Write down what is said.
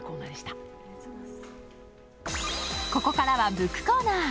ここからはブックコーナー。